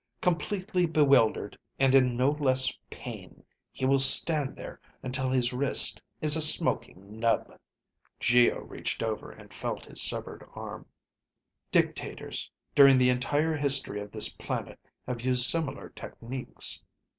Completely bewildered, and in no less pain, he will stand there until his wrist is a smoking nub." Geo reached over and felt his severed arm. "Dictators during the entire history of this planet have used similar techniques.